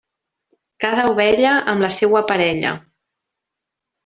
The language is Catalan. Cada ovella, amb la seua parella.